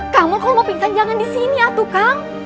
kang mul kalau mau pingsan jangan di sini atu kang